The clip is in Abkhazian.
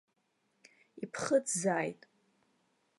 Иԥхыӡзааит.